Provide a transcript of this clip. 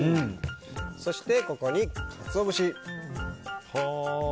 そして、ここにカツオ節。